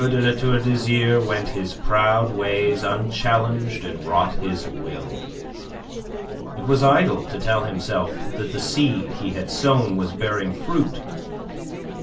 de La Tour d'Azyr went his proud ways unchallenged and wrought his will. It was idle to tell himself that the seed he had sown was bearing fruit.